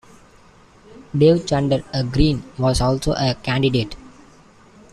Dave Chandler, a Green, was also a candidate.